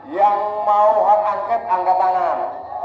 yang mau hak angket angkat tangan